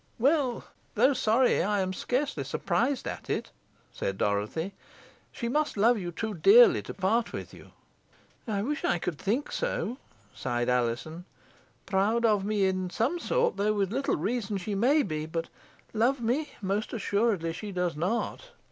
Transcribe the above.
"Well, though sorry, I am scarcely surprised at it," said Dorothy. "She must love you too dearly to part with you." "I wish I could think so," sighed Alizon. "Proud of me in some sort, though with little reason, she may be, but love me, most assuredly, she does not.